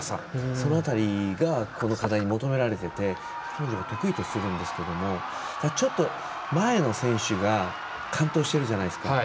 その辺りがこの課題に求められてて彼女の得意としているんですけどちょっと前の選手が完登してるじゃないですか。